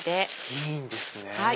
いいんですね。